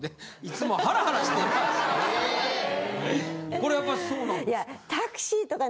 ・これやっぱそうなんですか？